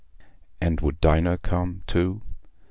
And would Dinah come too?